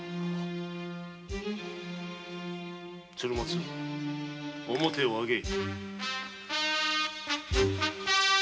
鶴松面を上げい。